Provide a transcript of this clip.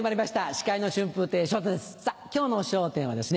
司会の春風亭昇太です